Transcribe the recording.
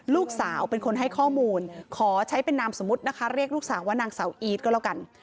ลูกสาวเป็นคนให้ข้อมูลขอใช้เป็นนามสมมุตินะคะเรียกลูกสาวว่านางสาวอีทก็แล้วกัน